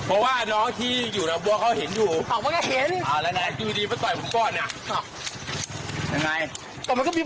โอเคครับ